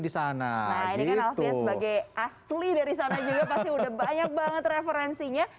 nah ini kan alfian sebagai asli dari sana juga pasti udah banyak banget referensinya